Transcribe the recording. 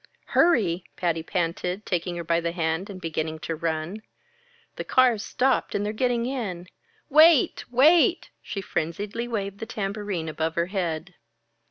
"Hurry!" Patty panted, taking her by the hand and beginning to run. "The car's stopped and they're getting in Wait! Wait!" She frenziedly waved the tambourine above her head.